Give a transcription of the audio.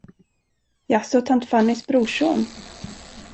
Jaså tant Fannys brorson?